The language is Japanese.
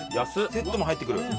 セットも入ってくる。